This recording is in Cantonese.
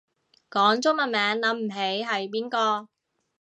講中文名諗唔起係邊個